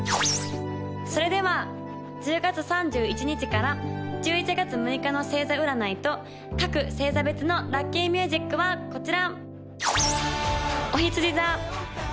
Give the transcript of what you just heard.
それでは１０月３１日から１１月６日の星座占いと各星座別のラッキーミュージックはこちら！